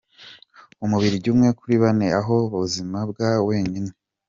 Umubiligi umwe kuri bane abaho mu buzima bwa wenyine